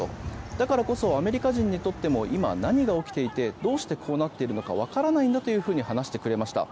だからこそ、アメリカ人にとって今何が起きていてどうしてこうなっているのか分からないと話していました。